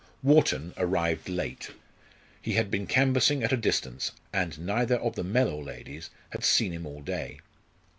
Wharton arrived late. He had been canvassing at a distance, and neither of the Mellor ladies had seen him all day.